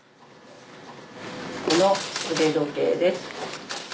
この腕時計です。